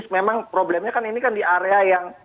memang problemnya kan ini kan di area yang